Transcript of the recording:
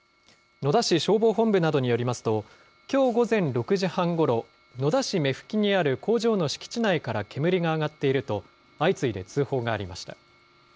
野田市消防本部などによりますと、きょう午前６時半ごろ、野田市目吹にある工場の敷地内から煙が上がっていると、相次いで通報がありました。